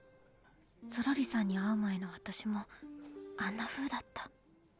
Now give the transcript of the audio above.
ゾロリさんに会う前のわたしもあんなふうだった。